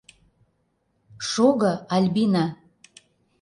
Шого, Альбина!